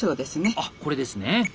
あこれですね。